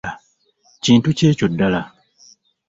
Kintu ki ekyo ddala?